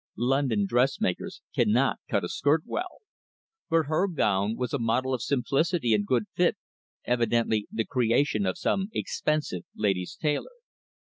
London dressmakers cannot cut a skirt well. But her gown was a model of simplicity and good fit, evidently the "creation" of some expensive ladies' tailor.